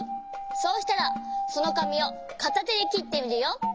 そうしたらそのかみをかたてできってみるよ。